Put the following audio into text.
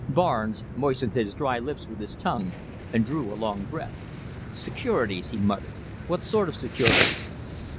Barnes moistened his dry lips with his tongue, and drew a long breath. "Securities!" he muttered. "What sort of securities?"